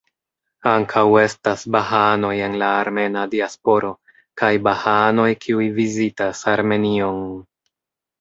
Ankaŭ estas bahaanoj en la armena diasporo kaj bahaanoj kiuj vizitas Armenion.